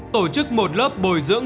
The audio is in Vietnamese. tổ chức một lớp bồi dưỡng